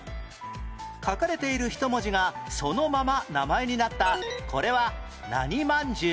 書かれている１文字がそのまま名前になったこれは何まんじゅう？